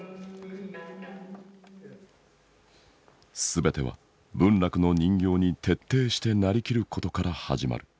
全ては文楽の人形に徹底して成りきることから始まる。